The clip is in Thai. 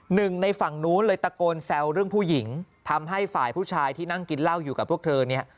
หนึ่งในฝั่งนู้นเลยตะโกนแซวเรื่องผู้หญิงทำให้ฝ่ายผู้ชายที่นั่งกินเหล้าอยู่กับพวกเธอเนี่ย